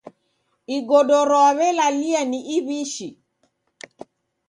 Igodoro w'aw'elalia ni iw'ishi.